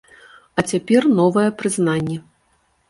А цяпер новае прызнанне.